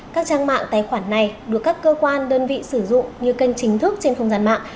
các trang mạng tài khoản này được các cơ quan đơn vị sử dụng như kênh chính thức trên không gian mạng